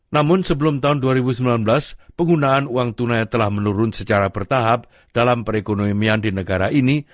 namun sebelum tahun dua ribu sembilan belas penggunaan uang tunai telah menurun secara bertahap dalam perekonomian di negara ini